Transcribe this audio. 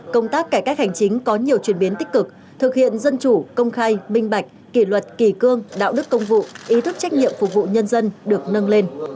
công tác cải cách hành chính có nhiều chuyển biến tích cực thực hiện dân chủ công khai minh bạch kỷ luật kỳ cương đạo đức công vụ ý thức trách nhiệm phục vụ nhân dân được nâng lên